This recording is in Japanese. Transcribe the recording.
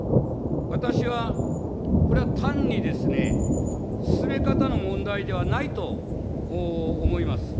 私は、これは単に進め方の問題ではないと思います。